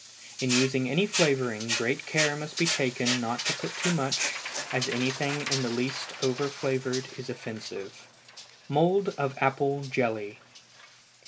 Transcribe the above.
In using any flavoring, great care must be taken not to put too much, as anything in the least over flavored is offensive. _Mould of Apple Jelly.